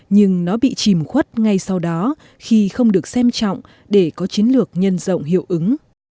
nhưng nó bị chìm khuất ngay sau đó khi không được xem trọng để có chiến lược nhân rộng hiệu ứng